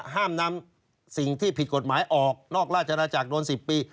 ห้ามนำสิ่งที่ผิดกฎหมายออกนอกราชนาจักรโดน๑๐ปี